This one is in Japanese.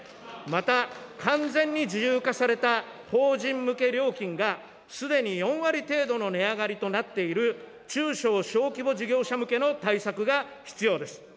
また、完全に自由化された法人向け料金が、すでに４割程度の値上がりとなっている中小小規模事業者向けの対策が必要です。